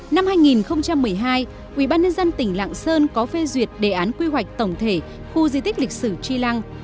năm hai nghìn một mươi hai ubnd tỉnh lạng sơn có phê duyệt đề án quy hoạch tổng thể khu di tích lịch sử chi lăng